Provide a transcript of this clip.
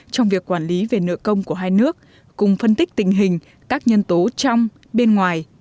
trong việc quản lý về nợ công của hai nước cùng phân tích tình hình các nhân tố trong bên ngoài